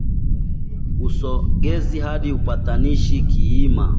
Usogezi hadi upatanishi kiima